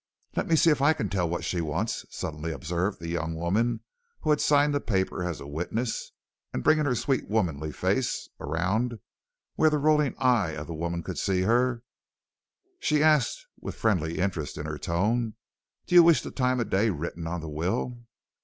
"'Let me see if I can tell what she wants,' suddenly observed the young woman who had signed the paper as a witness. And bringing her sweet womanly face around where the rolling eye of the woman could see her, she asked with friendly interest in her tone, 'Do you wish the time of day written on the will?'